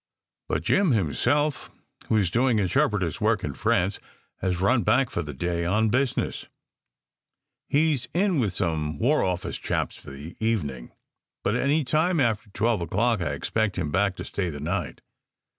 But Jim himself, who is doing interpreter s work in France, has run back for the day on business. He SECRET HISTORY 305 is with some War Office chaps for the evening, but any time after twelve o clock I expect him back to stay the night.